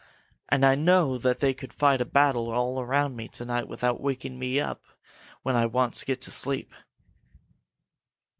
And I know that they could fight a battle all around me to night without waking me up when I once get to sleep."